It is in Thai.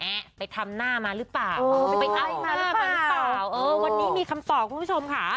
เอ๊ะไปทำหน้ามาหรือเปล่าอ้าวเออวันนี้มีคำตอบคุณผู้ชมค่ะ